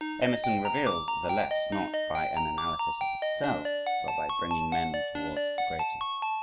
Emerson reveals the less not by an analysis of itself, but by bringing men towards the greater.